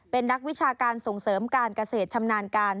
เป็นนักวิชาการส่งเสริมการเกษตรชำนาญการ